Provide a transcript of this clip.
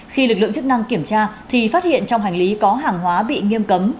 khi lực lượng chức năng kiểm tra thì phát hiện trong hành lý có hàng hóa bị nghiêm cấm